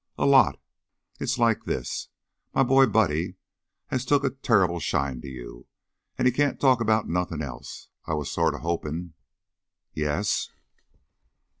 "A lot. It's like this: my boy Buddy has took a turrible shine to you, an' he can't talk about nothin' else. I was sort of hopin' " "Yes?"